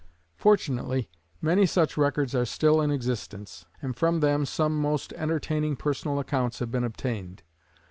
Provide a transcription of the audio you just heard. Fortunately, many such records are still in existence, and from them some most entertaining personal accounts have been obtained.